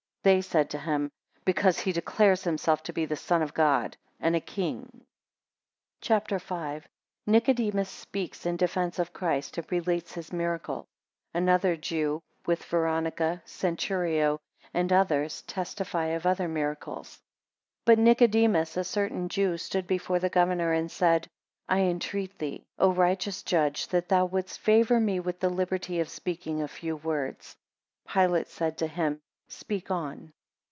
21 They said to him, Because he declares himself to be the Son of God and a King. CHAP. V. 1 Nicodemus speaks in defence of Christ, and relates his miracles. 12 Another Jew, 26 with Veronica, 34 Centurio, and others, testify of other miracles. BUT Nicodemus, a certain Jew, stood before the governor, and said, I entreat thee, O righteous judge, that thou wouldst favour me with the liberty of speaking a few words. 2 Pilate said to him, Speak on.